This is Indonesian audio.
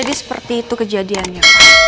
jadi seperti itu kejadiannya